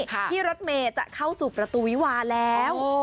ที่รถเมย์จะเข้าสู่ประตูวิวาแล้ว